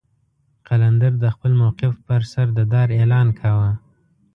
قلندر د خپل موقف پر سر د دار اعلان کاوه.